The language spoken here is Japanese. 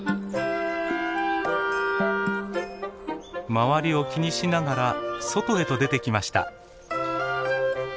周りを気にしながら外へと出てきました。